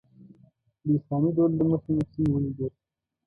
د اسلامي دود له مخې مو سیمې ولیدې.